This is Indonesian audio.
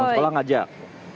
teman sekolah ngajak